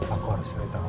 aku harus ceritakan